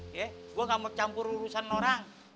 ya gue gak mau campur urusan sama orang